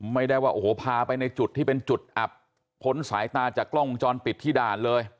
ไม่ได้ว่าโอ้โหพาไปในจุดที่เป็นจุดอับพ้นสายตาจากกล้องวงจรปิดที่ด่านเลย